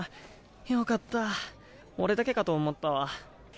よかった俺だけかと思ったわ。